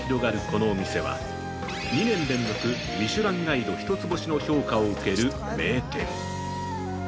このお店は２年連続ミシュランガイド一つ星の評価を受ける名店。